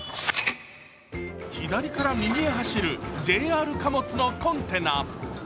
左から右へ走るＪＲ貨物のコンテナ。